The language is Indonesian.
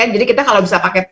jadi kita kalau bisa pakai